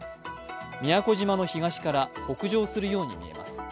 宮古島の東から北上するように見えます。